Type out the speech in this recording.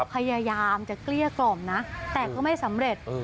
พยายามจะเกลี้ยกล่อมนะแต่ก็ไม่สำเร็จ